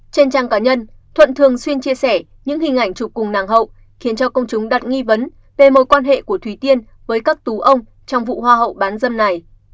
trên trang cá nhân thuận thường xuyên chia sẻ những hình ảnh chụp cùng nàng hậu khiến cho công chúng đặt nghi vấn về mối quan hệ của thúy tiên với các tú ông trong vụ hoa hậu bán dâm này